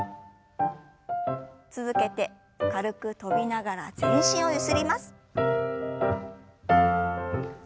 続けて軽く跳びながら全身をゆすります。